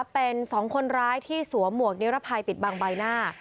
เป็น๒คนร้ายที่สวมหมวกนิรภัยปิดบังใบหน้า